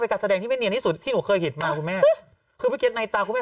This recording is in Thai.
เป็นการแสดงที่ไม่เนียนนิสุทธิ์ที่หนูเคยเห็นมาคุณแม่